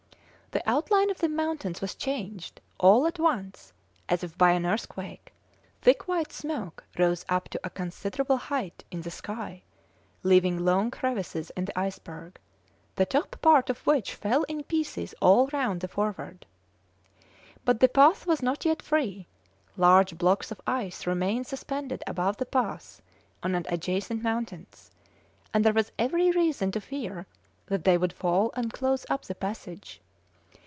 The outline of the mountains was changed all at once as if by an earthquake; thick white smoke rose up to a considerable height in the sky, leaving long crevices in the iceberg, the top part of which fell in pieces all round the Forward. But the path was not yet free; large blocks of ice remained suspended above the pass on the adjacent mountains, and there was every reason to fear that they would fall and close up the passage.